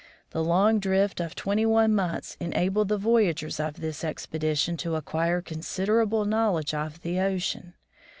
The long drift of twenty one months enabled the voyagers of this expedition to acquire considerable knowledge of the ocean.